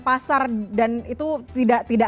pasar dan itu tidak